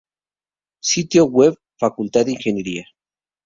Sitio web Facultad de Ingeniería